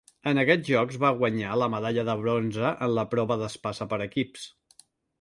En aquests Jocs va guanyar la medalla de bronze en la prova d'espasa per equips.